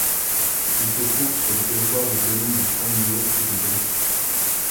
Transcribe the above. Il se trouve sur le territoire des communes de Champniers et de Brie.